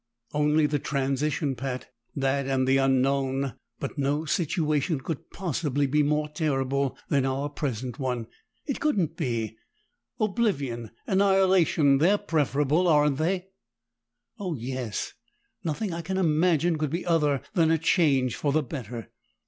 "Only the transition, Pat. That and the unknown but no situation could possibly be more terrible than our present one. It couldn't be! Oblivion, annihilation they're preferable, aren't they?" "Oh, yes! Nothing I can imagine could be other than a change for the better."